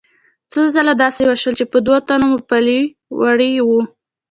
څو ځله داسې وشول چې په دوو تنو مو پلي وړي وو.